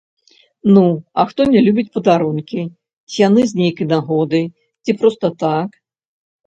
Ну, а хто не любіць падарункі, ці яны з нейкай нагоды, ці проста так?